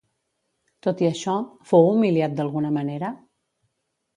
Tot i això, fou humiliat d'alguna manera?